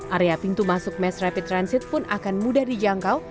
area pintu masuk mass rapid transit pun akan mudah dijangkau